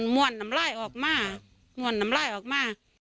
มวนนำร่ายออกมามวนนำร่ายออกมา